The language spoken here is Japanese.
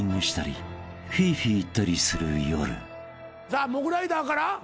さあモグライダーから。